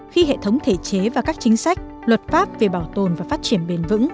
khi hệ thống thể chế và các chính sách luật pháp về bảo tồn và phát triển bền vững